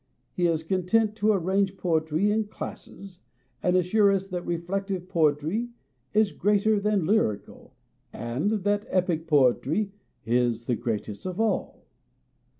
He is content to arrange poetry in classes, and assure us that reflective POETS AND CRITICS 235 poetry is greater than lyrical, and that epic poetry is the greatest of all.